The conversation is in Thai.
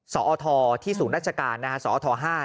สอทที่ศูนย์ราชการนะฮะสอท๕